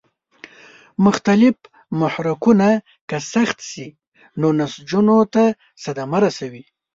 مختلف محرکونه که سخت شي نو نسجونو ته صدمه رسوي.